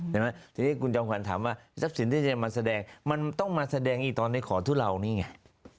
ทีนี้คุณจังหวันถามว่าทรัพย์สินที่จะมาแสดงมันต้องมาแสดงอีกตอนในขอทุเรานี่ไง